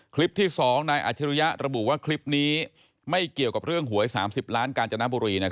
คลิปที่๒นายอัจฉริยะระบุว่าคลิปนี้ไม่เกี่ยวกับเรื่องหวย๓๐ล้านกาญจนบุรี